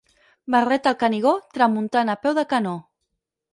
Barret al Canigó, tramuntana a peu de canó.